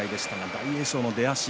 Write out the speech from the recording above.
大栄翔の出足。